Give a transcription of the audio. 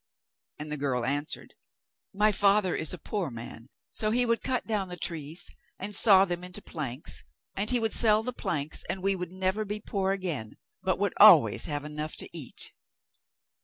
And the girl answered: 'My father is a poor man, so he would cut down the trees, and saw them into planks, and he would sell the planks, and we should never be poor again; but would always have enough to eat.